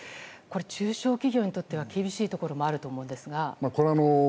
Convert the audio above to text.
中小企業にとっては厳しいところもあると思いますが。